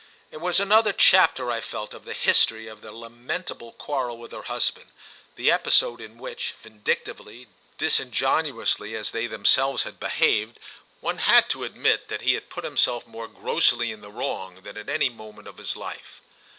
It was another chapter, I felt, of the history of their lamentable quarrel with her husband, the episode in which, vindictively, disingenuously as they themselves had behaved, one had to admit that he had put himself more grossly in the wrong than at any moment of his life.